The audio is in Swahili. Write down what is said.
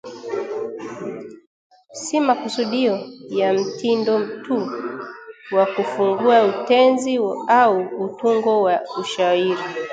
si makusudio ya mtindo tu wa kufungua utenzi au utungo wa ushairi